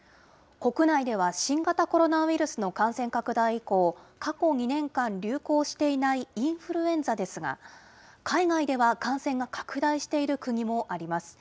国内では新型コロナウイルスの感染拡大以降、過去２年間流行していないインフルエンザですが、海外では感染が拡大している国もあります。